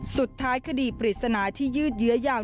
สุดท้ายคดีปริศนาที่ยืดเยื้อยาว